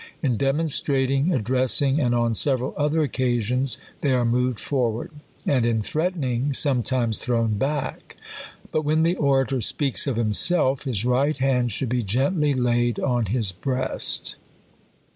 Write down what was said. In demonstrating, addressing, and on several other oc casions, they are moved forward ; and in threatening., sometimes 24 THE COLUMBIAN ORATOR. sometimes thrown back. But when the orator sp«alcs ©f himself, his right hand should be gently laid on his breast.